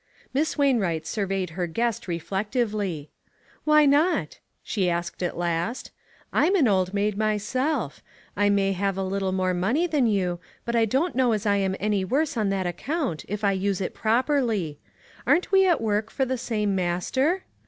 Miss Wainwright surveyed her guest re flectively. "Why not?" she asked at last. "I'm an old maid myself. I may have a little more money than you, but I don't know as I am 292 HEDGED IN. 2Q3 any worse on that account, if I use it properly. Aren't we at work for the same Master